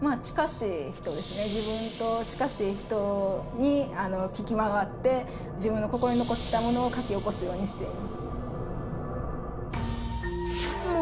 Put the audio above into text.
自分と近しい人に聞き回って自分の心に残ったものを書き起こすようにしています。